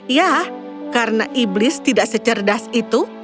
ya karena iblis tidak secerdas itu